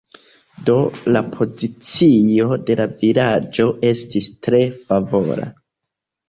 Do, la pozicio de la vilaĝo estis tre favora.